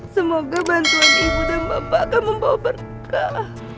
semoga bantuan ibu dan bapak akan membawa berkah